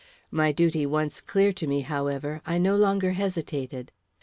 My duty once clear to me, however, I no longer hesitated.